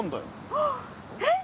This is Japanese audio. あっえっ？